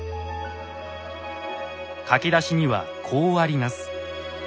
書き出しにはこうあります。